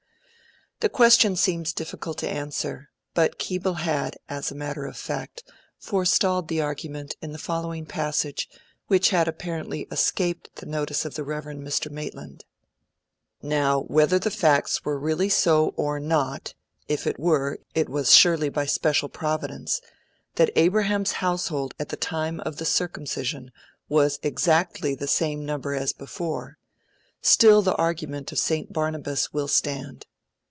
The question seems difficult to answer, but Keble had, as a matter of fact, forestalled the argument in the following passage, which had apparently escaped the notice of the Rev. Mr. Maitland: 'Now whether the facts were really so or not (if it were, it was surely by special providence), that Abraham's household at the time of the circumcision was exactly the same number as before; still the argument of St. Barnabas will stand.